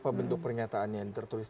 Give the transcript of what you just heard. itu apa bentuk pernyataan yang ditertuliskan